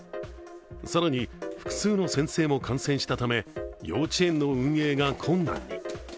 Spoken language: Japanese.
更に、複数の先生も感染したため幼稚園の運営が困難に。